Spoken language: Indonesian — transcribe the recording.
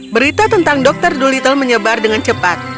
berita tentang dokter dolittle menyebar dengan cepat